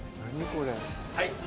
はい。